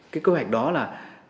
cái kế hoạch đó là